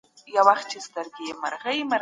ميرمنې ته وويل چي خپل مال په سم ډول وساتي.